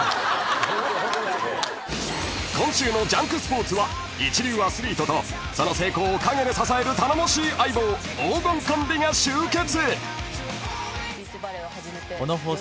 ［今週の『ジャンクＳＰＯＲＴＳ』は一流アスリートとその成功を陰で支える頼もしい相棒黄金コンビが集結］